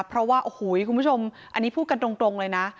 เพราะว่าโอ้โหคุณผู้ชมอันนี้พูดกันตรงเลยนะ